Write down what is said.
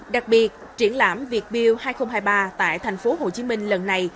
đặc biệt triển lãm việt build hai nghìn hai mươi ba tại thành phố hồ chí minh lần này